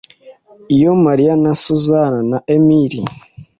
Iyo Mariya na Susana na Emili